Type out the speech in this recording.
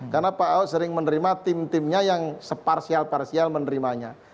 karena pak ahok sering menerima tim timnya yang separsial parsial menerimanya